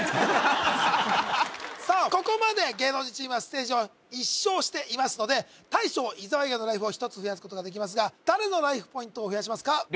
ここまで芸能人チームはステージを１勝していますので大将・伊沢以外のライフを１つ増やすことができますが誰のライフポイントを増やしますか？